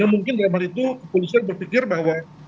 mungkin dari malam itu polisi berpikir bahwa